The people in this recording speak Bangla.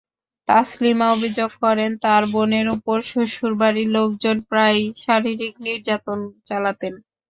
তাসলিমা অভিযোগ করেন, তাঁর বোনের ওপর শ্বশুরবাড়ির লোকজন প্রায়ই শারীরিক নির্যাতন চালাতেন।